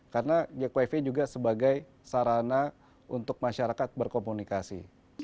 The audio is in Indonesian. karena jak wifi juga sebagai sarana untuk masyarakat berkomunikasi